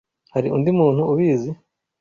Hari undi muntu ubizi?